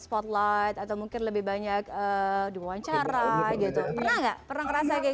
spotlight atau mungkin lebih banyak diwawancara gitu pernah nggak pernah ngerasa kayak